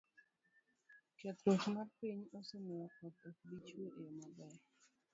kethruok mar piny osemiyo koth ok bi chue e yo maber.